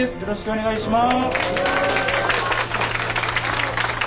お願いします。